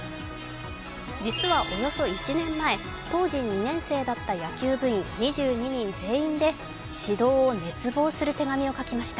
実はおよそ１年前、当時２年生だった野球部員、２２人全員で指導を熱望する手紙を書きました。